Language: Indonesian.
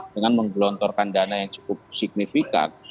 dengan menggelontorkan dana yang cukup signifikan